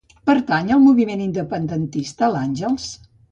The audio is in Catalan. Pertany al moviment independentista l'Angels?